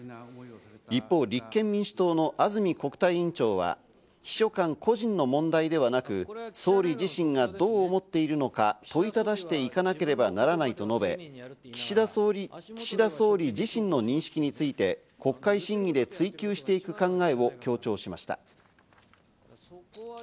一方、立憲民主党の安住国対委員長は秘書官個人の問題ではなく、総理自身がどう思ってるのか問いただしていかなければならないと述べ、岸田総理自身の認識について、国会審議で追及していく考えを強調しました。